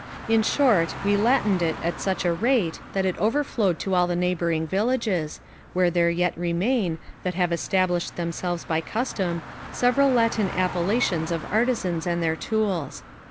In short, we Latined it at such a rate, that it overflowed to all the neighbouring villages, where there yet remain, that have established themselves by custom, several Latin appellations of artisans and their tools.